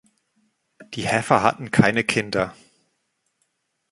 Die Heffer hatten keine Kinder.